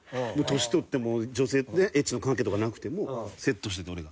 年取ってもう女性とエッチの関係とかなくてもセットしてて俺が。